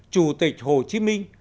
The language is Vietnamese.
chủ tịch hồ chí minh